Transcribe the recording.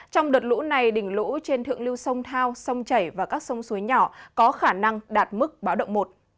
trong đợt lũ này đỉnh lũ trên thượng lưu sông thao sông chảy và các sông suối nhỏ có khả năng đạt mức báo động một